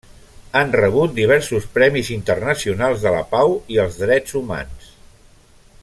Han rebut diversos premis internacionals de la Pau i els Drets Humans.